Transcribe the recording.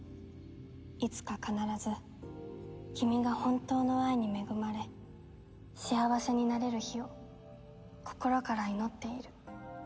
「いつか必ず君が本当の愛に恵まれ幸せになれる日を心から祈っている」